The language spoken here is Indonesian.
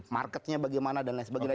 marketnya bagaimana dan lain sebagainya